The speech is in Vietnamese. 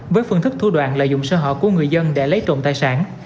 với phương thức thu đoạn lợi dụng sơ hở của người dân để lấy trộm tài sản